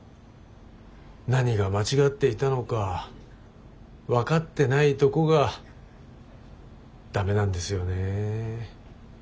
何が間違っていたのか分かってないとこがダメなんですよね。